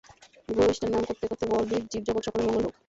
গুরু-ইষ্টের নাম করতে করতে বলবি জীব-জগৎ সকলের মঙ্গল হোক।